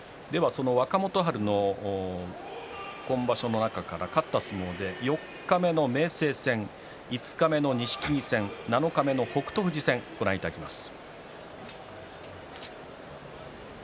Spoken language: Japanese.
若元春の今場所の中から勝った相撲で四日目の明生戦、五日目の錦木戦七日目の北勝富士戦ご覧いただきます。